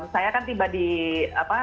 saya kan tiba di